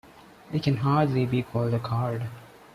It can hardly be called a card.